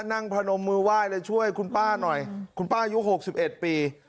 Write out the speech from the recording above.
นั่งพระนมมือไหว้เลยช่วยคุณป้าหน่อยคุณป้ายุคหกสิบเอ็ดปี